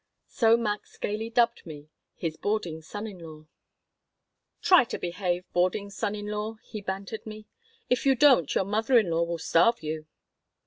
So Max gaily dubbed me his "boarding son in law "Try to behave, boarding son in law," he bantered me. "If you don't your mother in law will starve you."